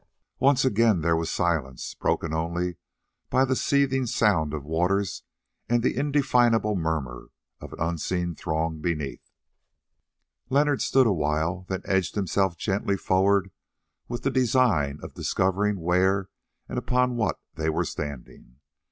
Once again there was silence, broken only by the seething sound of waters and the indefinable murmur of an unseen throng beneath. Leonard stood awhile, then edged himself gently forward with the design of discovering where and upon what they were standing.